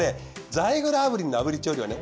ザイグル炙輪の炙り調理はね